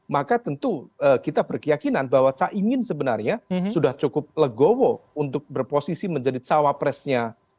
maka tentu kita berkeyakinan bahwa caimin sebenarnya sudah cukup legowo untuk berposisi menjadi cawapresnya